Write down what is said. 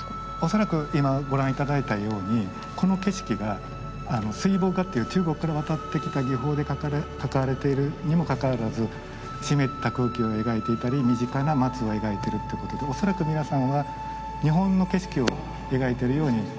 恐らく今ご覧頂いたようにこの景色が水墨画という中国から渡ってきた技法で描かれているにもかかわらず湿った空気を描いていたり身近な松を描いてるってことで恐らく皆さんは日本の景色を描いているように感じられると思うんですね。